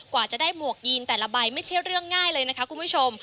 กว่าจะได้หมวกยีนแต่ละใบไม่ใช่เรื่องง่ายเลยนะคะคุณผู้ชม